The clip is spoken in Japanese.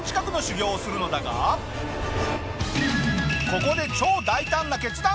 ここで超大胆な決断。